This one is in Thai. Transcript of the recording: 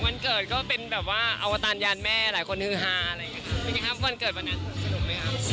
วันเกิดก็เป็นแบบว่าอวตารยานแม่หลายคนฮือฮาอะไรอย่างเงี้ครับจริงครับวันเกิดวันนั้นสนุกไหมครับ